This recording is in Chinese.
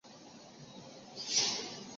后授官南京吏部验封司主事。